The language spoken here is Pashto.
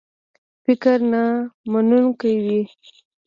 فکر نامنونکی وي.